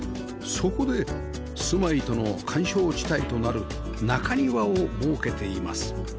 そこで住まいとの緩衝地帯となる中庭を設けています